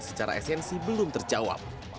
secara esensi belum terjawab